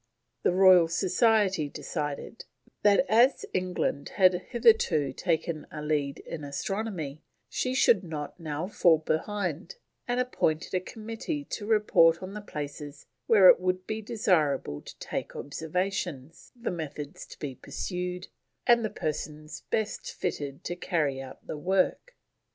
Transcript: The Royal Society decided that as England had hitherto taken a lead in astronomy, she should not now fall behind, and appointed a committee to report on the places where it would be desirable to take observations, the methods to be pursued, and the persons best fitted to carry out the work.